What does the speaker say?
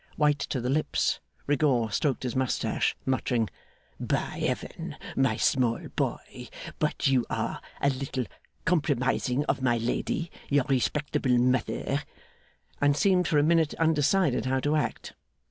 White to the lips, Rigaud stroked his moustache, muttering, 'By Heaven, my small boy, but you are a little compromising of my lady, your respectable mother' and seemed for a minute undecided how to act.